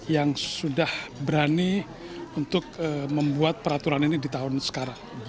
yang sudah berani untuk membuat peraturan ini di tahun sekarang